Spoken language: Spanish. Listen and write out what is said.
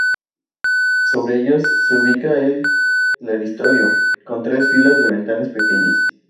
Sobre ellos se ubica el claristorio, con tres filas de ventanas pequeñas.